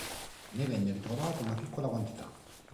Ne venne ritrovata una piccola quantità.